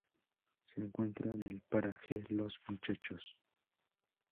Se encuentra en el paraje Los Muchachos.